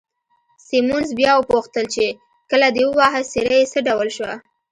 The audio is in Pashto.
سیمونز بیا وپوښتل چې، کله دې وواهه، څېره یې څه ډول شوه؟